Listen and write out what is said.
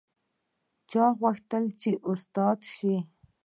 چا غوښتل چې استاده شي